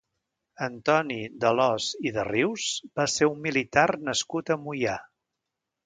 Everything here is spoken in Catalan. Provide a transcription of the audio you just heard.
Antoni d'Alòs i de Rius va ser un militar nascut a Moià.